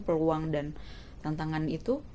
peluang dan tantangan itu